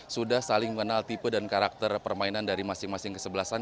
sudah saling mengenal tipe dan karakter permainan dari masing masing kesebelasan